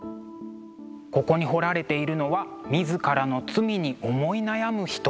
ここに彫られているのは自らの罪に思い悩む人々。